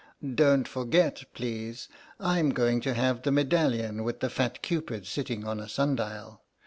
Don't forget, please, I'm going to have the medallion with the fat cupid sitting on a sundial.